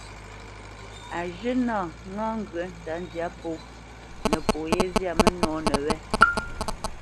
Á zhə̂ nâ ŋá ŋgyə̌ tsə̌tndyǎ pó nəpo yé zyâ mənɔ́nə wé.